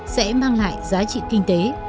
sẽ mang lại giá trị kinh tế